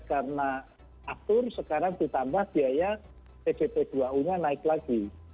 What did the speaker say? karena aftur sekarang ditambah biaya pdt dua u nya naik lagi